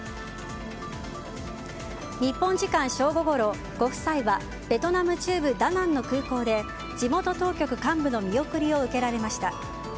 日本時間正午ごろ、ご夫妻はベトナム中部ダナンの空港で地元当局幹部の見送りを受けられました。